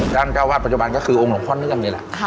เจ้าวาดปัจจุบันก็คือองค์หลวงพ่อเนื่องนี่แหละ